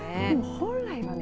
本来はね